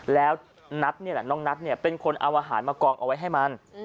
แล้วนัทนี่แหละน้องนัทเนี่ยเป็นคนเอาอาหารมากองเอาไว้ให้มัน